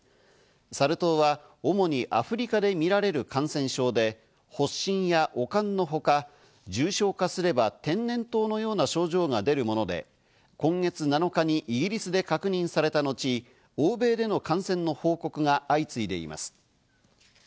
サル痘は主にアフリカで見られる感染症で、発疹や悪寒のほか重症化すれば天然痘のような症状が出るもので、今月７日にイギリスで確認された後、欧米での感染の報告が相次いでいます。